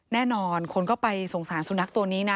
แน่นอนคนก็ไปสงสารสุนัขตัวนี้นะ